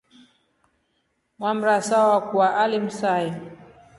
Mwamrasa wakwa alimsai.